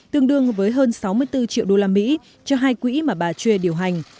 tương đương với hơn sáu mươi bốn triệu đô la mỹ cho hai quỹ mà bà chuyên điều hành